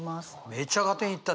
めちゃ合点いったね。